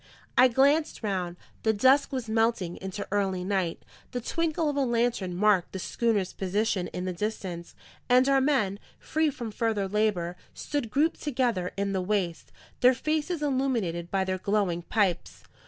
I glanced round; the dusk was melting into early night; the twinkle of a lantern marked the schooner's position in the distance; and our men, free from further labour, stood grouped together in the waist, their faces illuminated by their glowing pipes.